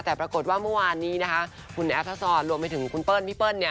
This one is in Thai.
แต่ปรากฏว่าเมื่อวานนี้นะคะคุณแอฟทะซอนรวมไปถึงคุณเปิ้ลพี่เปิ้ล